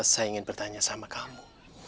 saya ingin bertanya sama kamu